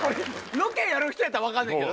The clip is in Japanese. ロケやる人やったら分かるけど。